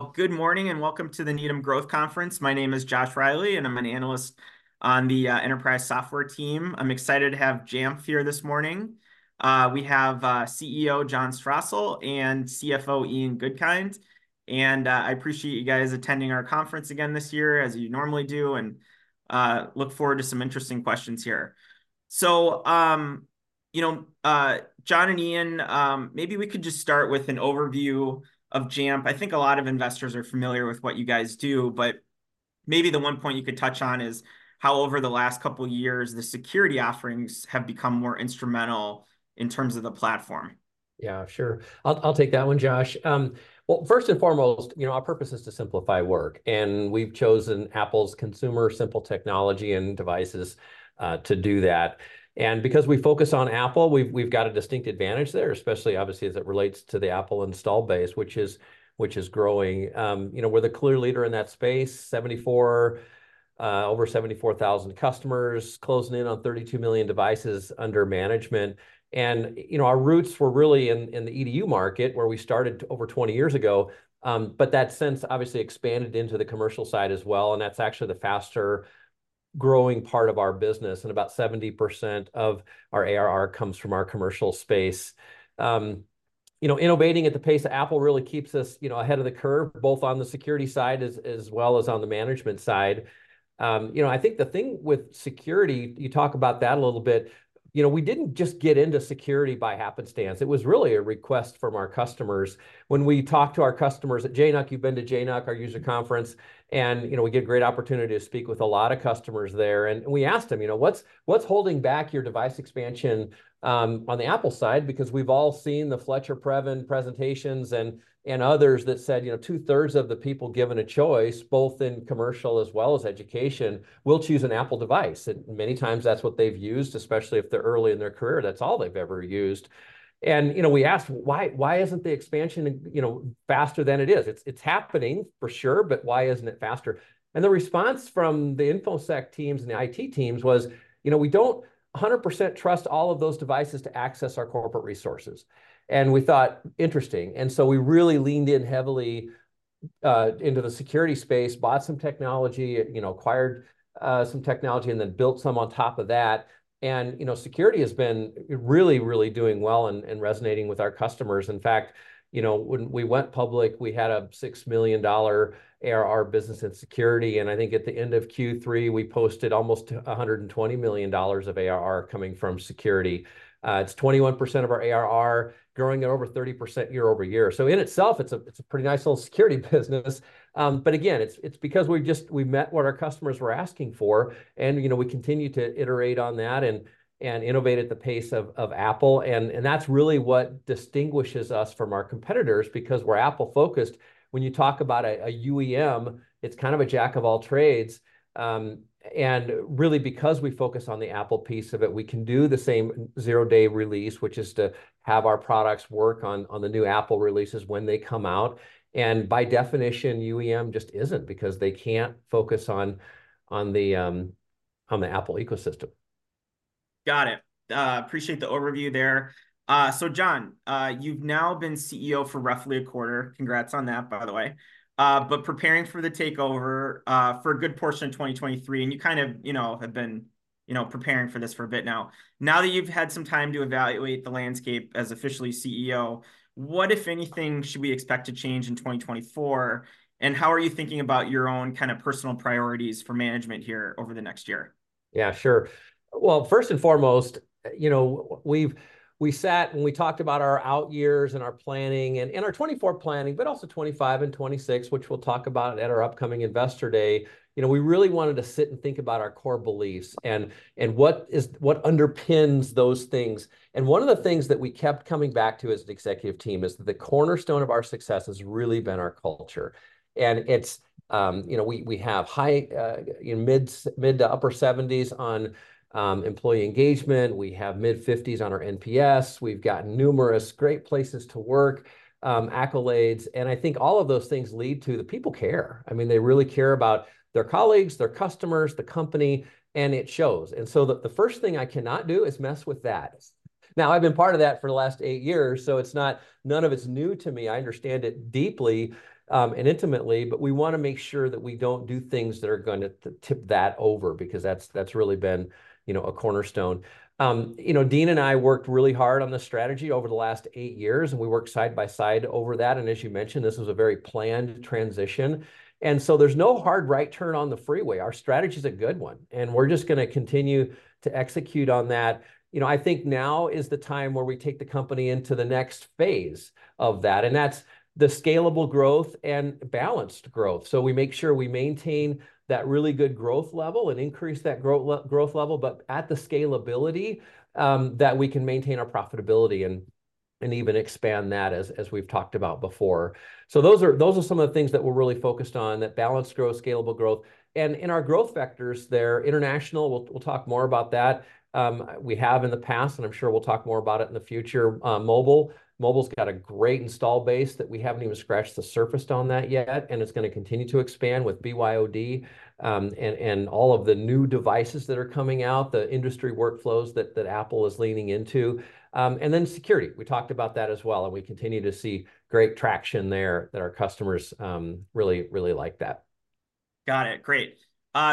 Well, good morning, and welcome to the Needham Growth Conference. My name is Josh Reilly, and I'm an analyst on the enterprise software team. I'm excited to have Jamf here this morning. We have CEO, John Strosahl, and CFO, Ian Goodkind, and I appreciate you guys attending our conference again this year, as you normally do, and look forward to some interesting questions here. So, you know, John and Ian, maybe we could just start with an overview of Jamf. I think a lot of investors are familiar with what you guys do, but maybe the one point you could touch on is how over the last couple years the security offerings have become more instrumental in terms of the platform. Yeah, sure. I'll take that one, Josh. Well, first and foremost, you know, our purpose is to simplify work, and we've chosen Apple's consumer simple technology and devices to do that. Because we focus on Apple, we've got a distinct advantage there, especially obviously as it relates to the Apple install base, which is growing. You know, we're the clear leader in that space, over 74,000 customers, closing in on 32 million devices under management, and, you know, our roots were really in the EDU market, where we started over 20 years ago. But that since obviously expanded into the commercial side as well, and that's actually the faster-growing part of our business, and about 70% of our ARR comes from our commercial space. You know, innovating at the pace of Apple really keeps us, you know, ahead of the curve, both on the security side as well as on the management side. You know, I think the thing with security, you talk about that a little bit, you know, we didn't just get into security by happenstance. It was really a request from our customers. When we talked to our customers at JNUC. You've been to JNUC, our user conference, and, you know, we get great opportunity to speak with a lot of customers there. And we asked them, "You know, what's holding back your device expansion, on the Apple side?" Because we've all seen the Fletcher Previn presentations and others that said, you know, two-thirds of the people given a choice, both in commercial as well as education, will choose an Apple device. Many times that's what they've used, especially if they're early in their career, that's all they've ever used. You know, we asked, "Why, why isn't the expansion, you know, faster than it is? It's, it's happening for sure, but why isn't it faster?" The response from the InfoSec teams and the IT teams was, "You know, we don't 100% trust all of those devices to access our corporate resources." We thought, "Interesting." So we really leaned in heavily into the security space, bought some technology, you know, acquired some technology and then built some on top of that. You know, security has been really, really doing well and resonating with our customers. In fact, you know, when we went public, we had a $6 million ARR business in security, and I think at the end of Q3, we posted almost $120 million of ARR coming from security. It's 21% of our ARR, growing at over 30% year-over-year. So in itself, it's a, it's a pretty nice little security business, but again, it's, it's because we've just... We've met what our customers were asking for, and, you know, we continue to iterate on that and, and innovate at the pace of, of Apple, and, and that's really what distinguishes us from our competitors because we're Apple focused. When you talk about a, a UEM, it's kind of a jack of all trades. And really because we focus on the Apple piece of it, we can do the same zero-day release, which is to have our products work on the new Apple releases when they come out. And by definition, UEM just isn't, because they can't focus on the Apple ecosystem. Got it. Appreciate the overview there. So John, you've now been CEO for roughly a quarter. Congrats on that, by the way. But preparing for the takeover, for a good portion of 2023, and you kind of, you know, have been, you know, preparing for this for a bit now. Now that you've had some time to evaluate the landscape as officially CEO, what, if anything, should we expect to change in 2024, and how are you thinking about your own kind of personal priorities for management here over the next year? Yeah, sure. Well, first and foremost, you know, we've. We sat and we talked about our out years and our planning, and in our 2024 planning, but also 2025 and 2026, which we'll talk about at our upcoming Investor Day. You know, we really wanted to sit and think about our core beliefs and what underpins those things. And one of the things that we kept coming back to as an executive team is that the cornerstone of our success has really been our culture. And it's. You know, we have high, you know, mid- to upper 70s on employee engagement. We have mid-50s on our NPS. We've got numerous great places to work accolades, and I think all of those things lead to the people care. I mean, they really care about their colleagues, their customers, the company, and it shows. So the first thing I cannot do is mess with that. Now, I've been part of that for the last eight years, so it's not... None of it's new to me. I understand it deeply and intimately, but we wanna make sure that we don't do things that are gonna tip that over because that's really been, you know, a cornerstone. You know, Dean and I worked really hard on the strategy over the last eight years, and we worked side by side over that, and as you mentioned, this was a very planned transition. So there's no hard right turn on the freeway. Our strategy's a good one, and we're just gonna continue to execute on that. You know, I think now is the time where we take the company into the next phase of that, and that's the scalable growth and balanced growth. So we make sure we maintain that really good growth level and increase that growth level, but at the scalability that we can maintain our profitability and even expand that, as we've talked about before. So those are some of the things that we're really focused on, that balanced growth, scalable growth. And in our growth vectors there, international, we'll talk more about that. We have in the past, and I'm sure we'll talk more about it in the future. Mobile, mobile's got a great installed base that we haven't even scratched the surface on that yet, and it's gonna continue to expand with BYOD, and all of the new devices that are coming out, the industry workflows that Apple is leaning into. Then security, we talked about that as well, and we continue to see great traction there, that our customers really, really like that. Got it. Great.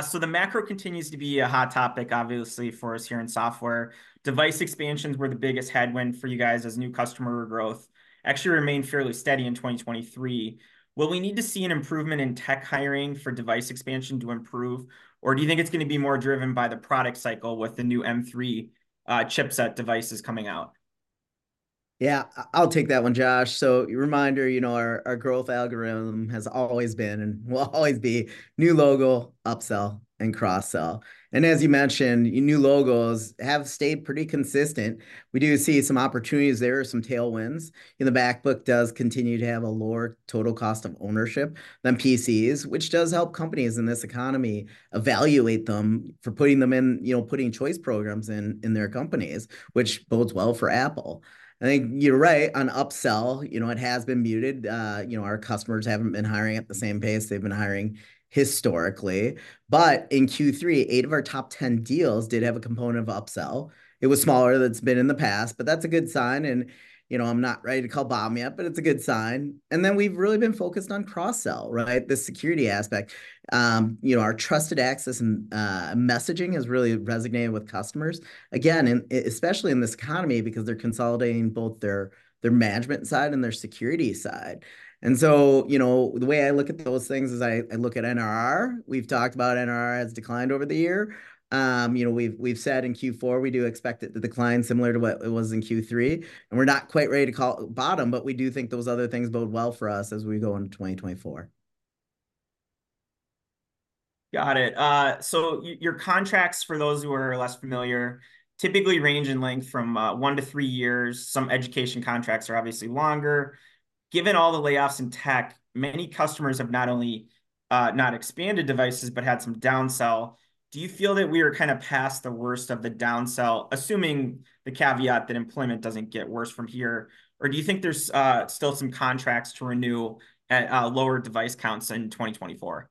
So the macro continues to be a hot topic, obviously, for us here in software. Device expansions were the biggest headwind for you guys as new customer growth actually remained fairly steady in 2023. Will we need to see an improvement in tech hiring for device expansion to improve, or do you think it's gonna be more driven by the product cycle with the new M3 chipset devices coming out? Yeah, I'll take that one, Josh. So a reminder, you know, our growth algorithm has always been and will always be new logo, upsell, and cross-sell. And as you mentioned, your new logos have stayed pretty consistent. We do see some opportunities there or some tailwinds, and the MacBook does continue to have a lower total cost of ownership than PCs, which does help companies in this economy evaluate them for putting them in, you know, putting choice programs in, in their companies, which bodes well for Apple. I think you're right on upsell. You know, it has been muted. You know, our customers haven't been hiring at the same pace they've been hiring historically. But in Q3, 8 of our top 10 deals did have a component of upsell. It was smaller than it's been in the past, but that's a good sign, and, you know, I'm not ready to call bottom yet, but it's a good sign. And then we've really been focused on cross-sell, right? The security aspect. You know, our Trusted Access and messaging has really resonated with customers. Again, especially in this economy because they're consolidating both their, their management side and their security side. And so, you know, the way I look at those things is I, I look at NRR. We've talked about NRR has declined over the year. You know, we've, we've said in Q4, we do expect it to decline similar to what it was in Q3, and we're not quite ready to call bottom, but we do think those other things bode well for us as we go into 2024. Got it. So your contracts, for those who are less familiar, typically range in length from one to three years. Some education contracts are obviously longer. Given all the layoffs in tech, many customers have not only not expanded devices but had some downsell. Do you feel that we are kind of past the worst of the downsell, assuming the caveat that employment doesn't get worse from here? Or do you think there's still some contracts to renew at lower device counts in 2024?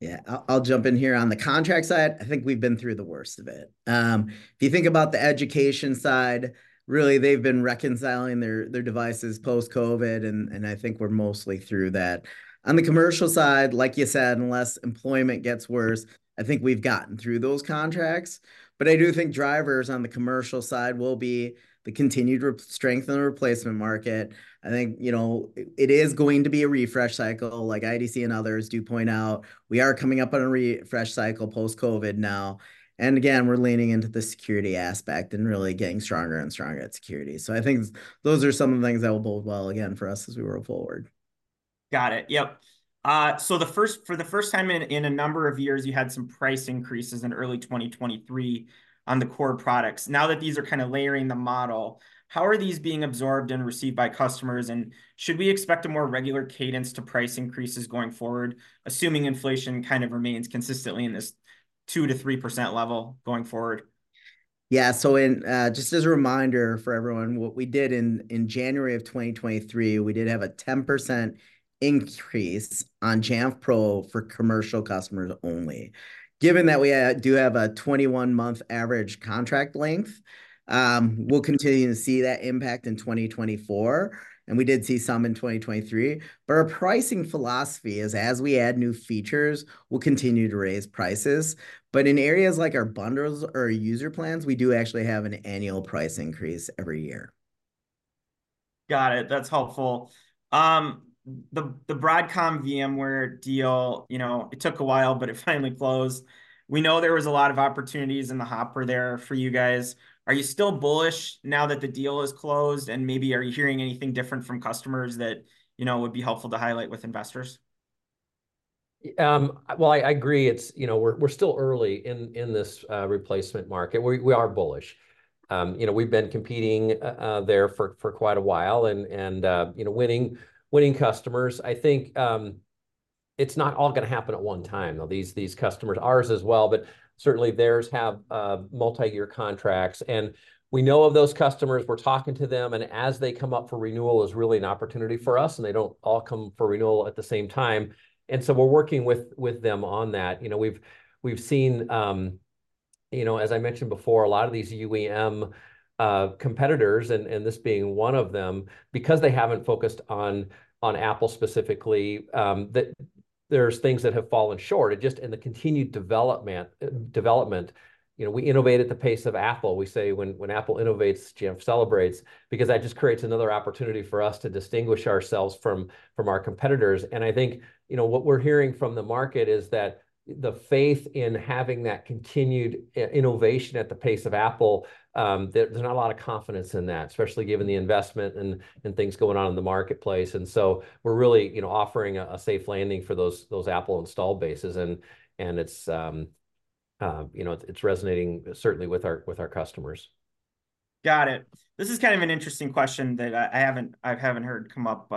Yeah. I'll jump in here. On the contract side, I think we've been through the worst of it. If you think about the education side, really, they've been reconciling their devices post-COVID, and I think we're mostly through that. On the commercial side, like you said, unless employment gets worse, I think we've gotten through those contracts. But I do think drivers on the commercial side will be the continued strength in the replacement market. I think, you know, it is going to be a refresh cycle. Like IDC and others do point out, we are coming up on a refresh cycle post-COVID now, and again, we're leaning into the security aspect and really getting stronger and stronger at security. So I think those are some of the things that will bode well again for us as we move forward. Got it. Yep. So for the first time in a number of years, you had some price increases in early 2023 on the core products. Now that these are kinda layering the model, how are these being absorbed and received by customers, and should we expect a more regular cadence to price increases going forward, assuming inflation kind of remains consistently in this 2%-3% level going forward? Yeah, so in, Just as a reminder for everyone, what we did in, in January of 2023, we did have a 10% increase on Jamf Pro for commercial customers only. Given that we, do have a 21-month average contract length, we'll continue to see that impact in 2024, and we did see some in 2023. But our pricing philosophy is, as we add new features, we'll continue to raise prices. But in areas like our bundles or user plans, we do actually have an annual price increase every year. Got it. That's helpful. The Broadcom-VMware deal, you know, it took a while, but it finally closed. We know there was a lot of opportunities in the hopper there for you guys. Are you still bullish now that the deal is closed, and maybe are you hearing anything different from customers that, you know, would be helpful to highlight with investors? Well, I agree. It's, you know, we're still early in this replacement market. We are bullish. You know, we've been competing there for quite a while and, you know, winning customers. I think, it's not all gonna happen at one time, though. These customers, ours as well, but certainly theirs, have multi-year contracts, and we know of those customers. We're talking to them, and as they come up for renewal is really an opportunity for us, and they don't all come for renewal at the same time, and so we're working with them on that. You know, we've seen, you know, as I mentioned before, a lot of these UEM competitors, and this being one of them, because they haven't focused on Apple specifically, there's things that have fallen short. It just... And the continued development, you know, we innovate at the pace of Apple. We say, "When Apple innovates, Jamf celebrates," because that just creates another opportunity for us to distinguish ourselves from our competitors. And I think, you know, what we're hearing from the market is that the faith in having that continued innovation at the pace of Apple, there's not a lot of confidence in that, especially given the investment and things going on in the marketplace. We're really, you know, offering a safe landing for those Apple installed bases, and it's, you know, it's resonating certainly with our customers. Got it. This is kind of an interesting question that I haven't heard come up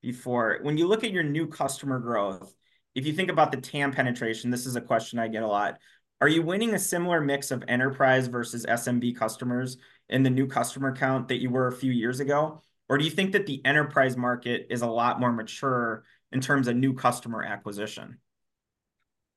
before. When you look at your new customer growth, if you think about the TAM penetration, this is a question I get a lot. Are you winning a similar mix of enterprise versus SMB customers in the new customer count that you were a few years ago, or do you think that the enterprise market is a lot more mature in terms of new customer acquisition?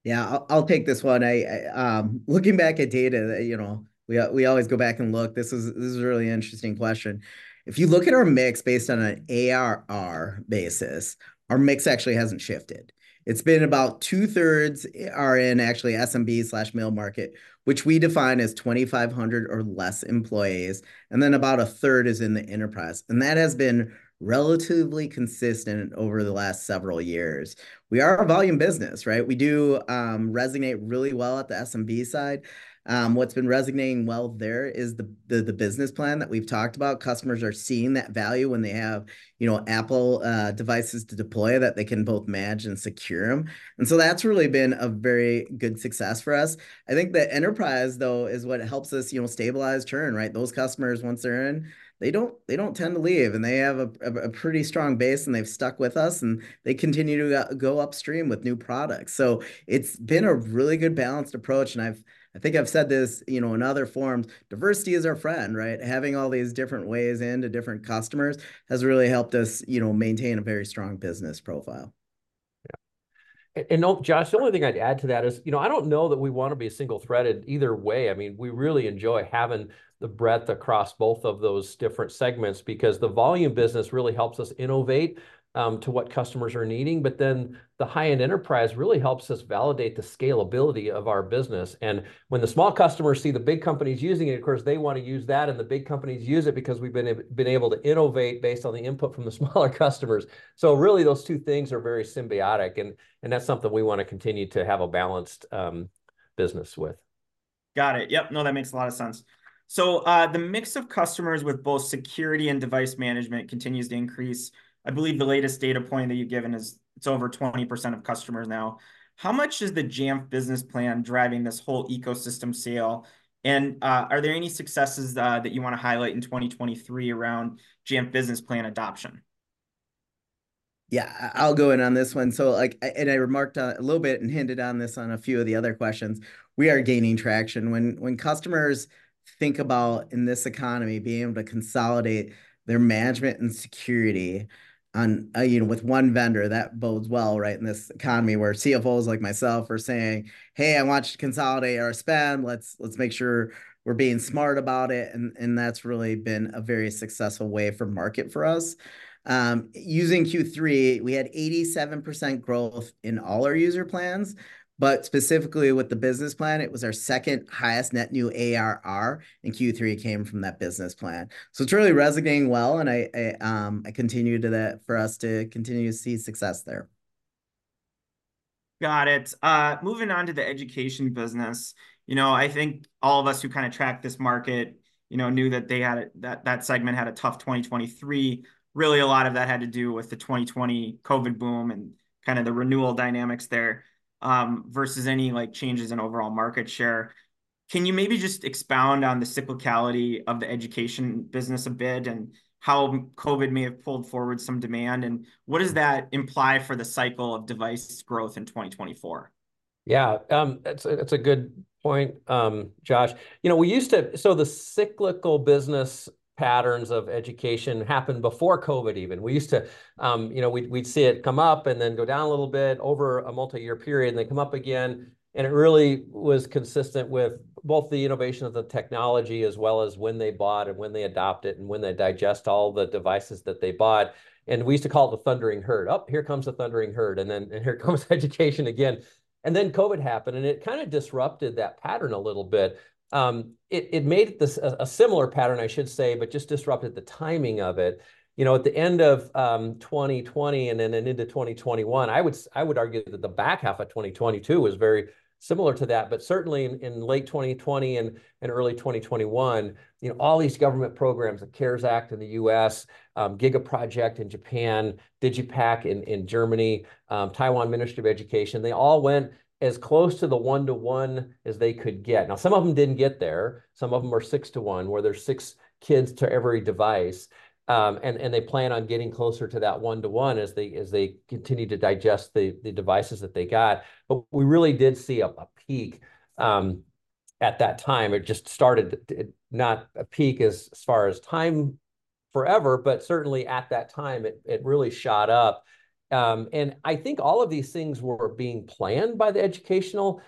Yeah, I'll take this one. I, looking back at data that, you know, we always go back and look, this is a really interesting question. If you look at our mix based on an ARR basis, our mix actually hasn't shifted. It's been about two-thirds are in actually SMBs/mid-market, which we define as 2,500 or less employees, and then about a third is in the enterprise, and that has been relatively consistent over the last several years. We are a volume business, right? We do resonate really well at the SMB side. What's been resonating well there is the Business Plan that we've talked about. Customers are seeing that value when they have, you know, Apple devices to deploy that they can both manage and secure them, and so that's really been a very good success for us. I think the enterprise, though, is what helps us, you know, stabilize churn, right? Those customers, once they're in, they don't, they don't tend to leave, and they have a pretty strong base, and they've stuck with us, and they continue to go upstream with new products. So it's been a really good balanced approach, and I've... I think I've said this, you know, in other forums, diversity is our friend, right? Having all these different ways in to different customers has really helped us, you know, maintain a very strong business profile. Yeah. Oh, Josh, the only thing I'd add to that is, you know, I don't know that we wanna be single-threaded either way. I mean, we really enjoy having the breadth across both of those different segments because the volume business really helps us innovate to what customers are needing. But then the high-end enterprise really helps us validate the scalability of our business, and when the small customers see the big companies using it, of course, they wanna use that, and the big companies use it because we've been able to innovate based on the input from the smaller customers. So really those two things are very symbiotic, and that's something we wanna continue to have a balanced business with. Got it. Yep. No, that makes a lot of sense. So, the mix of customers with both security and device management continues to increase. I believe the latest data point that you've given is it's over 20% of customers now. How much is the Jamf Business Plan driving this whole ecosystem sale, and, are there any successes that you wanna highlight in 2023 around Jamf Business Plan adoption? Yeah, I, I'll go in on this one. So, like, and I remarked on it a little bit and hinted on this on a few of the other questions, we are gaining traction. When, when customers think about, in this economy, being able to consolidate their management and security on a, you know, with one vendor, that bodes well, right, in this economy where CFOs like myself are saying, "Hey, I want to consolidate our spend. Let's, let's make sure we're being smart about it," and, and that's really been a very successful way for market for us. Using Q3, we had 87% growth in all our user plans, but specifically with the Business Plan, it was our second highest net new ARR, and Q3 came from that Business Plan. So it's really resonating well, and I continue for us to continue to see success there. Got it. Moving on to the education business, you know, I think all of us who kind of track this market, you know, knew that that segment had a tough 2023. Really, a lot of that had to do with the 2020 COVID boom and kind of the renewal dynamics there, versus any, like, changes in overall market share. Can you maybe just expound on the cyclicality of the education business a bit and how COVID may have pulled forward some demand, and what does that imply for the cycle of device growth in 2024? Yeah, that's a good point, Josh. You know, we used to... So the cyclical business patterns of education happened before COVID even. We used to, you know, we'd, we'd see it come up and then go down a little bit over a multi-year period and then come up again, and it really was consistent with both the innovation of the technology as well as when they bought and when they adopt it and when they digest all the devices that they bought, and we used to call it the thundering herd. "Oh, here comes the thundering herd, and then, and here comes education again." And then COVID happened, and it kind of disrupted that pattern a little bit. It made this a similar pattern, I should say, but just disrupted the timing of it. You know, at the end of 2020 and then into 2021, I would argue that the back half of 2022 was very similar to that, but certainly in late 2020 and early 2021, you know, all these government programs, the CARES Act in the U.S., GIGA project in Japan, DigiPakt in Germany, Taiwan Ministry of Education, they all went as close to the one-to-one as they could get. Now, some of them didn't get there. Some of them are six to one, where there's six kids to every device, and they plan on getting closer to that one to one as they continue to digest the devices that they got. But we really did see a peak at that time. It just started... Not a peak as far as time forever, but certainly at that time, it really shot up. And I think all of these things were being planned by the educational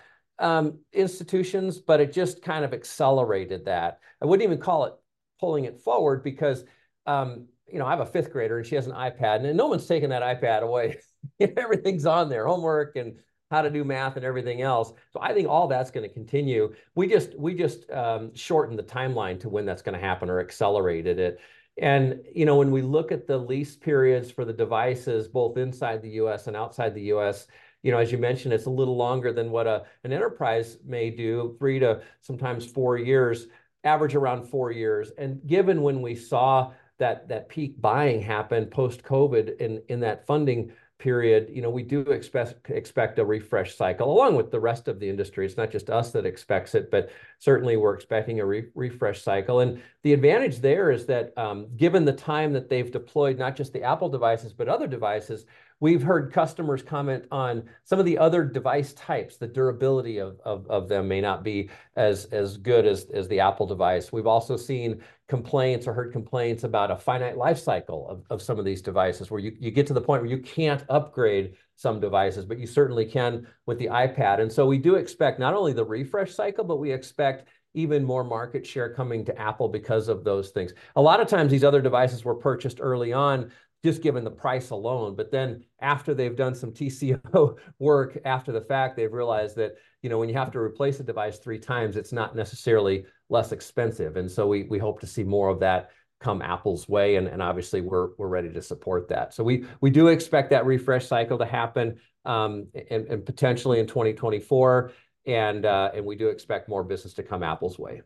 institutions, but it just kind of accelerated that. I wouldn't even call it pulling it forward because, you know, I have a fifth grader, and she has an iPad, and no one's taking that iPad away. Everything's on there, homework and how to do math and everything else. So I think all that's gonna continue. We just shortened the timeline to when that's gonna happen or accelerated it. You know, when we look at the lease periods for the devices, both inside the U.S. and outside the U.S., you know, as you mentioned, it's a little longer than what an enterprise may do, 3 to sometimes 4 years, average around 4 years. Given when we saw that peak buying happen post-COVID in that funding period, you know, we do expect a refresh cycle, along with the rest of the industry. It's not just us that expects it, but certainly we're expecting a refresh cycle. The advantage there is that, given the time that they've deployed not just the Apple devices, but other devices, we've heard customers comment on some of the other device types, the durability of them may not be as good as the Apple device. We've also seen complaints or heard complaints about a finite life cycle of some of these devices, where you get to the point where you can't upgrade some devices, but you certainly can with the iPad. And so we do expect not only the refresh cycle, but we expect even more market share coming to Apple because of those things. A lot of times, these other devices were purchased early on just given the price alone, but then after they've done some TCO work after the fact, they've realized that, you know, when you have to replace a device three times, it's not necessarily less expensive, and so we hope to see more of that come Apple's way, and obviously we're ready to support that. So we do expect that refresh cycle to happen, and potentially in 2024, and we do expect more business to come Apple's way.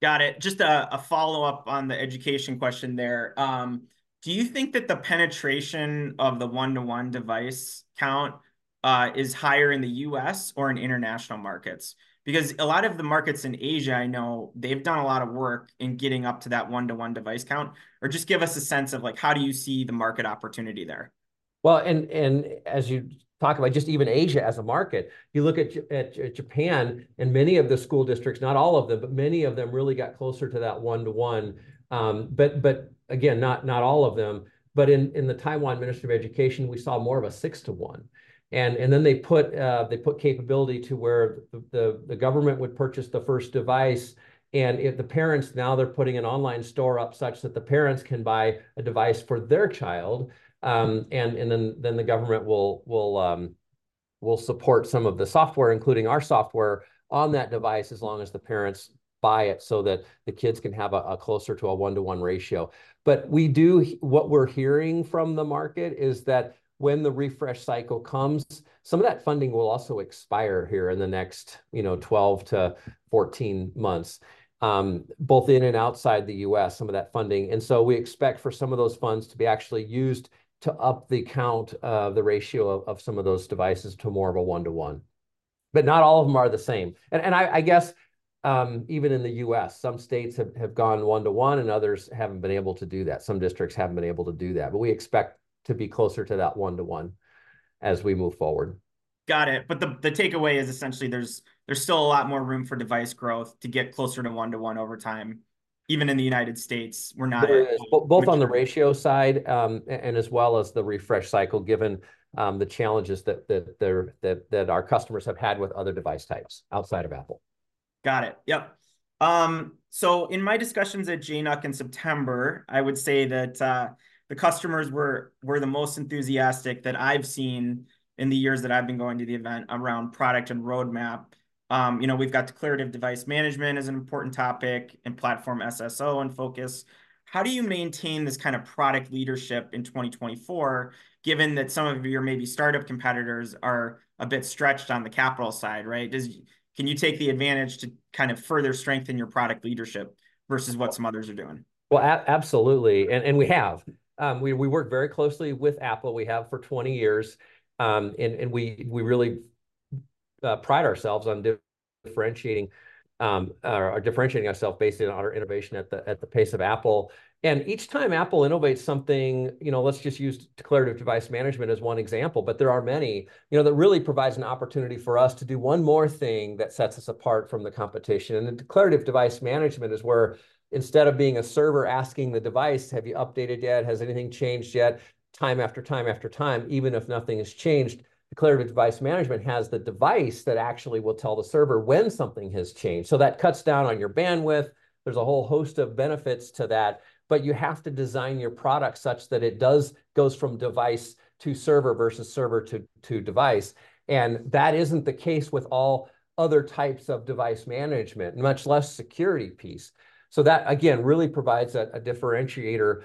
Got it. Just a follow-up on the education question there. Do you think that the penetration of the one-to-one device count is higher in the US or in international markets? Because a lot of the markets in Asia, I know they've done a lot of work in getting up to that one-to-one device count. Or just give us a sense of, like, how do you see the market opportunity there? Well, and as you talk about just even Asia as a market, you look at Japan, and many of the school districts, not all of them, but many of them really got closer to that 1:1. But again, not all of them. But in the Taiwan Ministry of Education, we saw more of a 6:1. And then they put capability to where the government would purchase the first device, and if the parents... Now they're putting an online store up such that the parents can buy a device for their child. And then the government will support some of the software, including our software, on that device, as long as the parents buy it so that the kids can have a closer to a 1:1 ratio. But what we're hearing from the market is that when the refresh cycle comes, some of that funding will also expire here in the next, you know, 12-14 months, both in and outside the U.S., some of that funding. And so we expect for some of those funds to be actually used to up the count, the ratio of some of those devices to more of a 1-to-1. But not all of them are the same. And I guess, even in the U.S., some states have gone 1-to-1, and others haven't been able to do that. Some districts haven't been able to do that, but we expect to be closer to that 1-to-1 as we move forward. Got it. But the takeaway is essentially there's still a lot more room for device growth to get closer to 1:1 over time, even in the United States, we're not- There is. Both on the ratio side, and as well as the refresh cycle, given the challenges that our customers have had with other device types outside of Apple. Got it. Yep. So in my discussions at JNUC in September, I would say that the customers were the most enthusiastic that I've seen in the years that I've been going to the event around product and roadmap. You know, we've got Declarative Device Management as an important topic, and Platform SSO in focus. How do you maintain this kind of product leadership in 2024, given that some of your maybe startup competitors are a bit stretched on the capital side, right? Can you take the advantage to kind of further strengthen your product leadership versus what some others are doing? Well, absolutely, and we have. We work very closely with Apple. We have for 20 years. And we really pride ourselves on differentiating ourselves based on our innovation at the pace of Apple. And each time Apple innovates something, you know, let's just use Declarative Device Management as one example, but there are many, you know, that really provides an opportunity for us to do one more thing that sets us apart from the competition. And the Declarative Device Management is where, instead of being a server asking the device, "Have you updated yet? Has anything changed yet?" time after time after time, even if nothing has changed, Declarative Device Management has the device that actually will tell the server when something has changed. So that cuts down on your bandwidth. There's a whole host of benefits to that, but you have to design your product such that it goes from device to server versus server to device, and that isn't the case with all other types of device management, much less security piece. So that, again, really provides a differentiator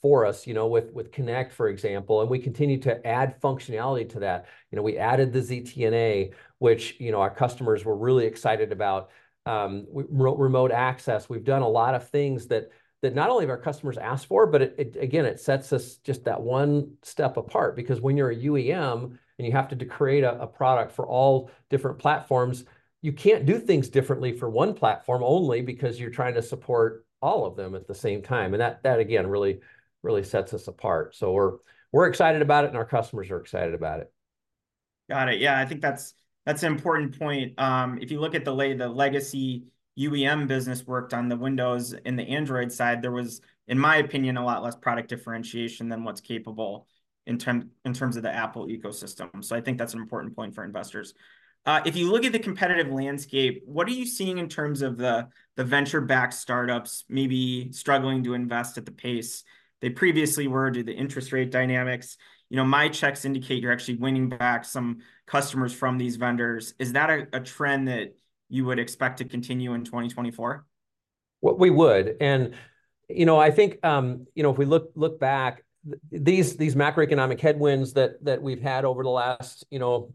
for us, you know, with Connect, for example, and we continue to add functionality to that. You know, we added the ZTNA, which, you know, our customers were really excited about. Remote access, we've done a lot of things that not only have our customers asked for, but it again sets us just that one step apart. Because when you're a UEM and you have to create a product for all different platforms, you can't do things differently for one platform only because you're trying to support all of them at the same time, and that again, really, really sets us apart. So we're excited about it, and our customers are excited about it. Got it. Yeah, I think that's, that's an important point. If you look at the way the legacy UEM business worked on the Windows and the Android side, there was, in my opinion, a lot less product differentiation than what's capable in terms of the Apple ecosystem. So I think that's an important point for investors. If you look at the competitive landscape, what are you seeing in terms of the, the venture-backed startups maybe struggling to invest at the pace they previously were due to the interest rate dynamics? You know, my checks indicate you're actually winning back some customers from these vendors. Is that a, a trend that you would expect to continue in 2024? Well, we would. And, you know, I think, you know, if we look back, these macroeconomic headwinds that we've had over the last, you know,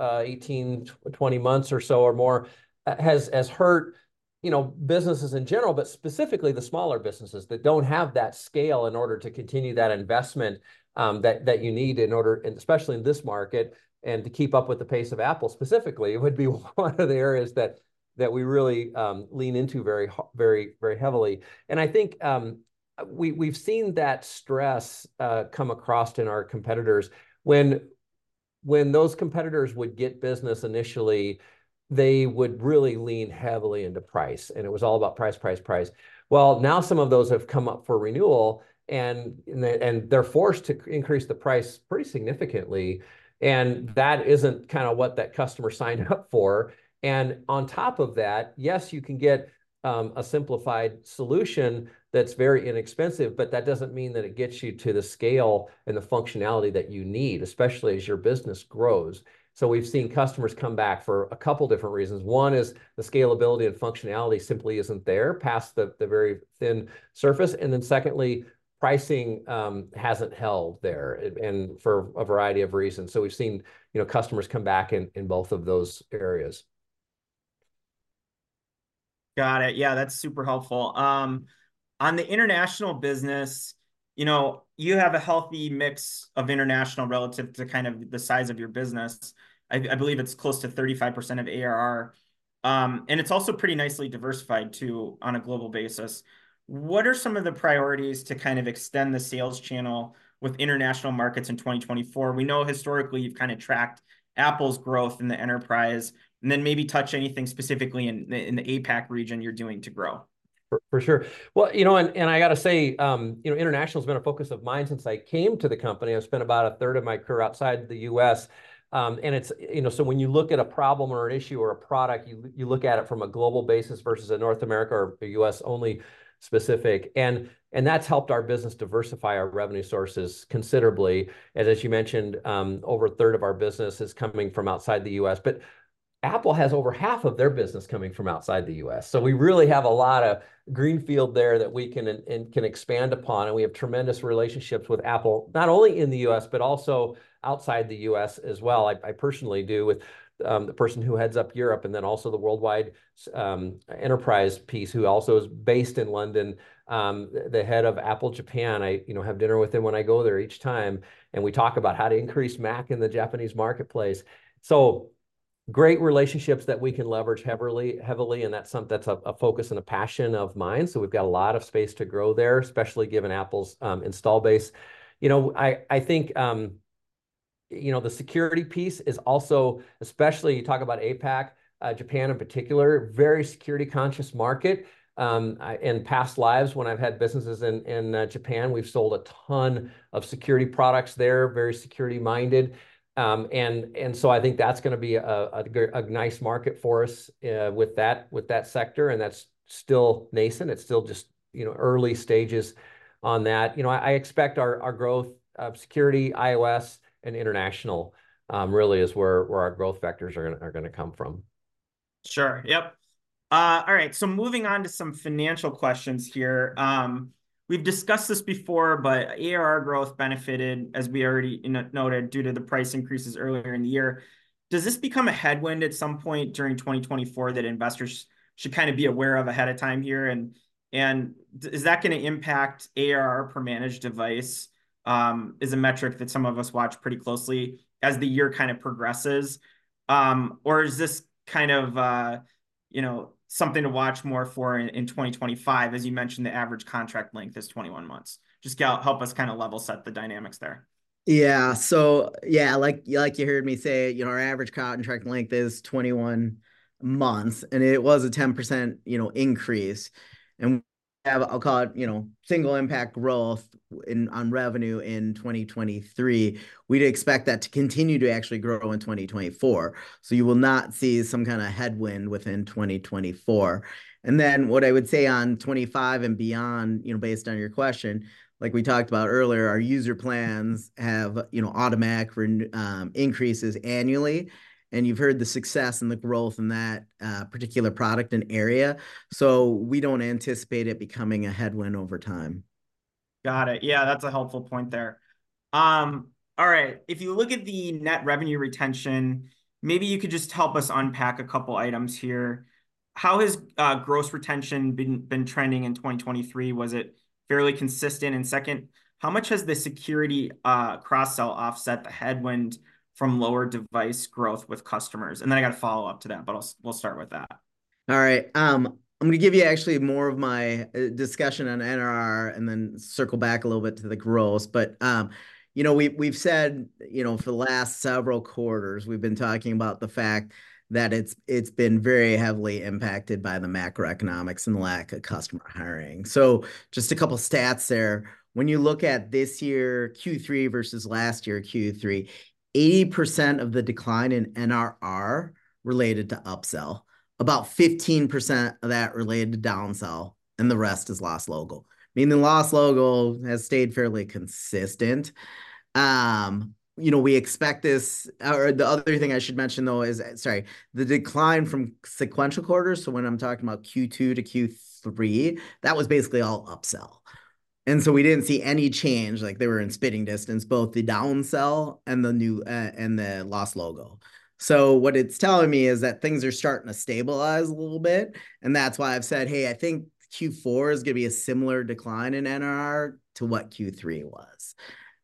18, 20 months or so or more, has hurt, you know, businesses in general, but specifically the smaller businesses that don't have that scale in order to continue that investment, that you need in order and especially in this market, and to keep up with the pace of Apple specifically, would be one of the areas that we really lean into very, very heavily. And I think, we've seen that stress come across in our competitors. When those competitors would get business initially, they would really lean heavily into price, and it was all about price, price, price. Well, now some of those have come up for renewal, and they're forced to increase the price pretty significantly, and that isn't kind of what that customer signed up for. And on top of that, yes, you can get a simplified solution that's very inexpensive, but that doesn't mean that it gets you to the scale and the functionality that you need, especially as your business grows. So we've seen customers come back for a couple different reasons. One is the scalability and functionality simply isn't there past the very thin surface. And then secondly, pricing hasn't held there, and for a variety of reasons. So we've seen, you know, customers come back in both of those areas. Got it. Yeah, that's super helpful. On the international business, you know, you have a healthy mix of international relative to kind of the size of your business. I believe it's close to 35% of ARR, and it's also pretty nicely diversified, too, on a global basis. What are some of the priorities to kind of extend the sales channel with international markets in 2024? We know historically you've kind of tracked Apple's growth in the enterprise, and then maybe touch anything specifically in the APAC region you're doing to grow. For sure. Well, you know, I gotta say, you know, international's been a focus of mine since I came to the company. I've spent about a third of my career outside the U.S. And it's... You know, so when you look at a problem or an issue or a product, you look at it from a global basis versus a North America or a U.S.-only specific. And that's helped our business diversify our revenue sources considerably, and as you mentioned, over a third of our business is coming from outside the U.S. But Apple has over half of their business coming from outside the U.S., so we really have a lot of greenfield there that we can expand upon, and we have tremendous relationships with Apple, not only in the U.S. but also outside the U.S. as well. I personally do with the person who heads up Europe, and then also the worldwide enterprise piece, who also is based in London. The head of Apple Japan, I, you know, have dinner with him when I go there each time, and we talk about how to increase Mac in the Japanese marketplace. So great relationships that we can leverage heavily, heavily, and that's a focus and a passion of mine, so we've got a lot of space to grow there, especially given Apple's installed base. You know, I think, you know, the security piece is also, especially you talk about APAC, Japan in particular, very security-conscious market. In past lives when I've had businesses in Japan, we've sold a ton of security products there, very security-minded. And so I think that's gonna be a nice market for us with that sector, and that's still nascent. It's still just, you know, early stages on that. You know, I expect our growth of security, iOS, and international really is where our growth vectors are gonna come from. Sure. Yep. All right, so moving on to some financial questions here. We've discussed this before, but ARR growth benefited, as we already noted, due to the price increases earlier in the year. Does this become a headwind at some point during 2024 that investors should kind of be aware of ahead of time here? And is that gonna impact ARR per managed device, is a metric that some of us watch pretty closely, as the year kind of progresses, or is this kind of, you know, something to watch more for in 2025? As you mentioned, the average contract length is 21 months. Just help us kind of level-set the dynamics there. Yeah, so yeah, like, like you heard me say, you know, our average contract length is 21 months, and it was a 10%, you know, increase. And we have, I'll call it, you know, single-impact growth on revenue in 2023. We'd expect that to continue to actually grow in 2024, so you will not see some kind of headwind within 2024. And then what I would say on 2025 and beyond, you know, based on your question, like we talked about earlier, our user plans have, you know, automatic increases annually, and you've heard the success and the growth in that, particular product and area, so we don't anticipate it becoming a headwind over time. Got it. Yeah, that's a helpful point there. All right, if you look at the net revenue retention, maybe you could just help us unpack a couple items here. How has gross retention been trending in 2023? Was it fairly consistent? And second, how much has the security cross-sell offset the headwind from lower device growth with customers? And then I got a follow-up to that, but we'll start with that. All right, I'm gonna give you actually more of my discussion on NRR and then circle back a little bit to the gross. But, you know, we've said, you know, for the last several quarters, we've been talking about the fact that it's been very heavily impacted by the macroeconomics and the lack of customer hiring. So just a couple stats there. When you look at this year, Q3, versus last year, Q3, 80% of the decline in NRR related to upsell, about 15% of that related to downsell, and the rest is lost logo. Meaning lost logo has stayed fairly consistent. You know, we expect this. Or the other thing I should mention, though, is the decline from sequential quarters, so when I'm talking about Q2 to Q3, that was basically all upsell. We didn't see any change, like they were in spitting distance, both the downsell and the new, and the lost logo. So what it's telling me is that things are starting to stabilize a little bit, and that's why I've said, "Hey, I think Q4 is gonna be a similar decline in NRR to what Q3 was."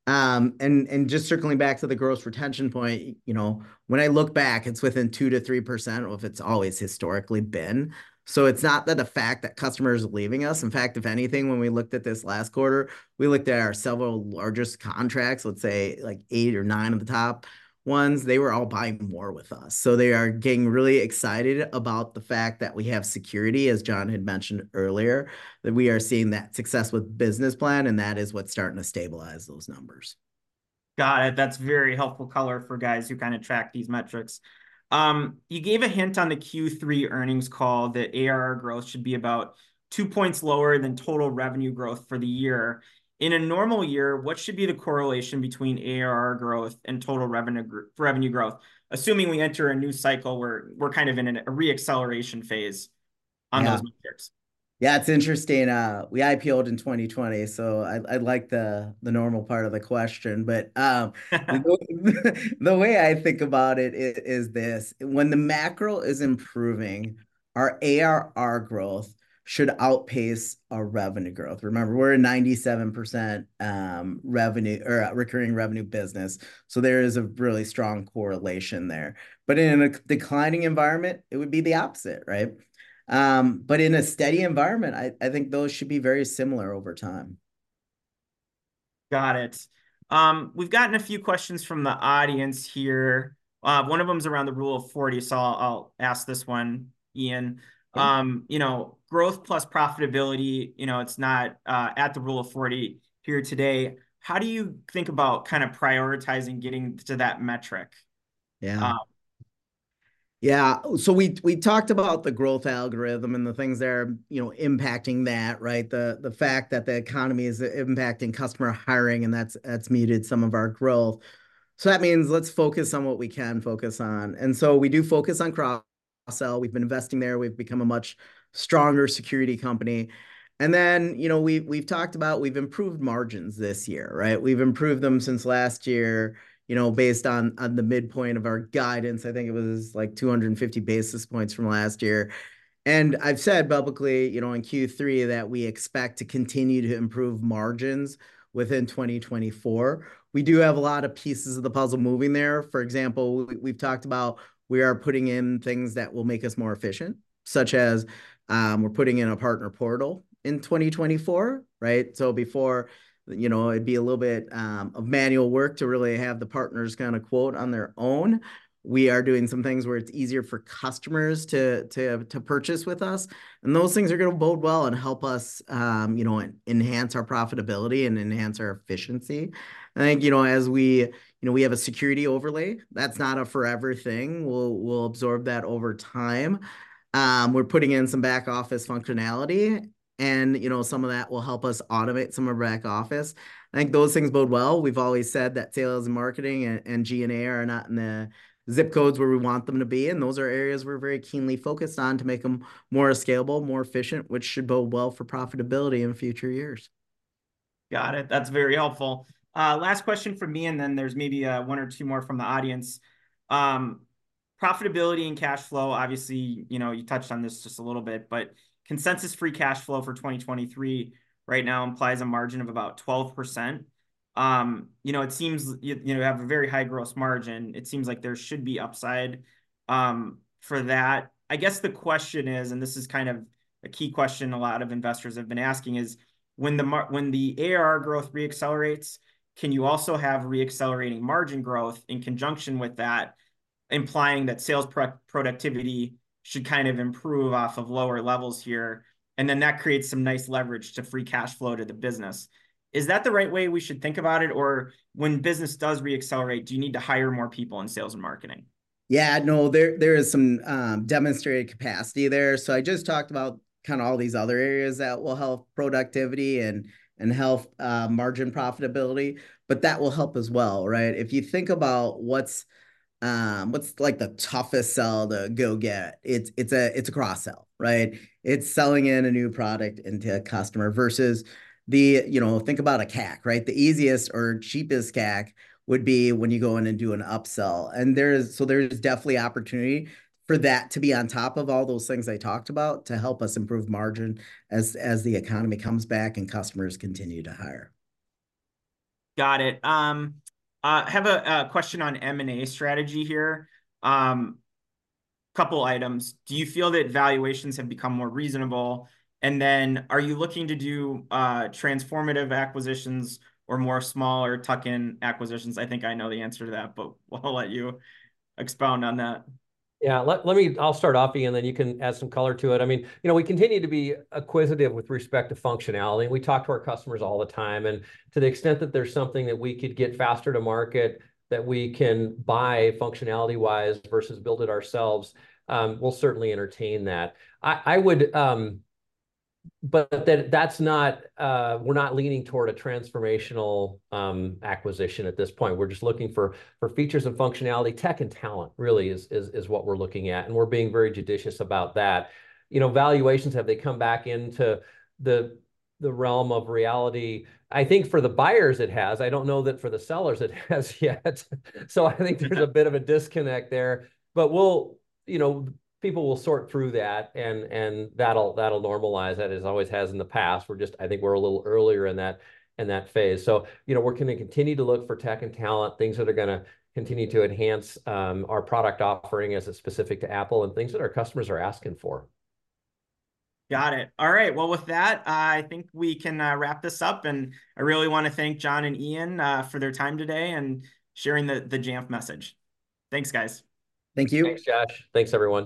And just circling back to the gross retention point, you know, when I look back, it's within 2%-3% of what it's always historically been. So it's not that the fact that customers are leaving us. In fact, if anything, when we looked at this last quarter, we looked at our several largest contracts, let's say, like, 8 or 9 of the top ones, they were all buying more with us. They are getting really excited about the fact that we have security, as John had mentioned earlier, that we are seeing that success with Business Plan, and that is what's starting to stabilize those numbers. Got it. That's very helpful color for guys who kind of track these metrics. You gave a hint on the Q3 earnings call that ARR growth should be about 2 points lower than total revenue growth for the year. In a normal year, what should be the correlation between ARR growth and total revenue growth? Assuming we enter a new cycle where we're kind of in a re-acceleration phase on those metrics. Yeah, it's interesting. We IPO'd in 2020, so I like the normal part of the question. But the way I think about it is this: when the macro is improving, our ARR growth should outpace our revenue growth. Remember, we're a 97% revenue or a recurring revenue business, so there is a really strong correlation there. But in a declining environment, it would be the opposite, right? But in a steady environment, I think those should be very similar over time. Got it. We've gotten a few questions from the audience here. One of them's around the Rule of 40, so I'll, I'll ask this one, Ian. You know, growth plus profitability, you know, it's not at the Rule of 40 here today. How do you think about kind of prioritizing getting to that metric? Yeah. Um- Yeah, so we talked about the growth algorithm and the things that are, you know, impacting that, right? The fact that the economy is impacting customer hiring, and that's muted some of our growth. So that means let's focus on what we can focus on, and so we do focus on cross-sell. We've been investing there. We've become a much stronger security company. And then, you know, we've talked about we've improved margins this year, right? We've improved them since last year, you know, based on the midpoint of our guidance. I think it was, like, 250 basis points from last year. And I've said publicly, you know, in Q3, that we expect to continue to improve margins within 2024. We do have a lot of pieces of the puzzle moving there. For example, we've talked about we are putting in things that will make us more efficient, such as, we're putting in a partner portal in 2024, right? So before, you know, it'd be a little bit of manual work to really have the partners kind of quote on their own. We are doing some things where it's easier for customers to purchase with us, and those things are gonna bode well and help us, you know, enhance our profitability and enhance our efficiency. I think, you know, as we... You know, we have a security overlay. That's not a forever thing. We'll absorb that over time. We're putting in some back office functionality, and, you know, some of that will help us automate some of our back office. I think those things bode well. We've always said that sales and marketing and G&A are not in the zip codes where we want them to be, and those are areas we're very keenly focused on to make them more scalable, more efficient, which should bode well for profitability in future years. Got it. That's very helpful. Last question from me, and then there's maybe one or two more from the audience. Profitability and cash flow, obviously, you know, you touched on this just a little bit, but consensus free cash flow for 2023 right now implies a margin of about 12%. You know, it seems you have a very high gross margin. It seems like there should be upside for that. I guess the question is, and this is kind of a key question a lot of investors have been asking, is when the ARR growth reaccelerates, can you also have reaccelerating margin growth in conjunction with that, implying that sales productivity should kind of improve off of lower levels here, and then that creates some nice leverage to free cash flow to the business? Is that the right way we should think about it, or when business does re-accelerate, do you need to hire more people in sales and marketing? Yeah, no, there is some demonstrated capacity there. So I just talked about kind of all these other areas that will help productivity and help margin profitability, but that will help as well, right? If you think about what's like the toughest sell to go get, it's a cross-sell, right? It's selling in a new product into a customer versus the... You know, think about a CAC, right? The easiest or cheapest CAC would be when you go in and do an upsell, and there is so there's definitely opportunity for that to be on top of all those things I talked about to help us improve margin as the economy comes back and customers continue to hire. Got it. I have a question on M&A strategy here. Couple items. Do you feel that valuations have become more reasonable? And then, are you looking to do transformative acquisitions or more smaller tuck-in acquisitions? I think I know the answer to that, but I'll let you expound on that. Yeah, let me- I'll start off, Ian, then you can add some color to it. I mean, you know, we continue to be acquisitive with respect to functionality, and we talk to our customers all the time. And to the extent that there's something that we could get faster to market, that we can buy functionality-wise versus build it ourselves, we'll certainly entertain that. I would... But that's not, we're not leaning toward a transformational acquisition at this point. We're just looking for features and functionality. Tech and talent really is what we're looking at, and we're being very judicious about that. You know, valuations, have they come back into the realm of reality? I think for the buyers, it has. I don't know that for the sellers it has yet. So I think there's a bit of a disconnect there, but we'll, you know, people will sort through that, and that'll normalize, as it always has in the past. We're just, I think we're a little earlier in that phase. So, you know, we're gonna continue to look for tech and talent, things that are gonna continue to enhance our product offering as it's specific to Apple and things that our customers are asking for. Got it. All right, well, with that, I think we can wrap this up, and I really wanna thank John and Ian for their time today and sharing the Jamf message. Thanks, guys. Thank you. Thanks, Josh. Thanks, everyone.